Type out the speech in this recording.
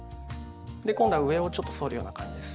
で今度は上をちょっと反るような感じです。